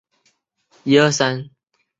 看起来比去年少